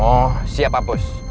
oh siap pak bos